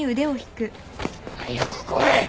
早く来い！